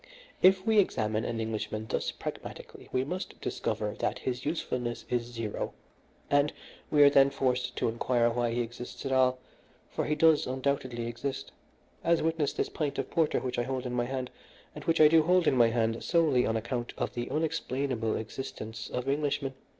If we examine an Englishman thus pragmatically we must discover that his usefulness is zero, and we are then forced to inquire why he exists at all, for he does undoubtedly exist, as witness this pint of porter which I hold in my hand, and which I do hold in my hand solely on account of the unexplainable existence of Englishmen.